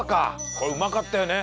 これうまかったよね。